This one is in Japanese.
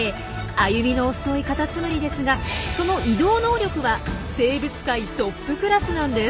歩みの遅いカタツムリですがその移動能力は生物界トップクラスなんです。